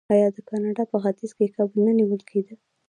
آیا د کاناډا په ختیځ کې کب نه نیول کیدل؟